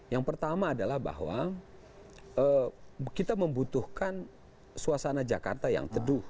yang pertama adalah bahwa kita membutuhkan suasana jakarta yang teduh